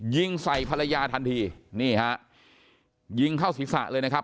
ยิงใส่ภรรยาทันทีนี่ฮะยิงเข้าศีรษะเลยนะครับ